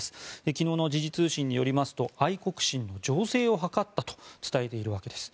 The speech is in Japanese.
昨日の時事通信によりますと愛国心の醸成を図ったと伝えているわけです。